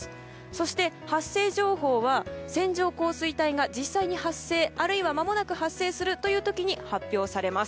そして、発生情報は線状降水帯が実際に発生あるいはまもなく発生するという時に発表されます。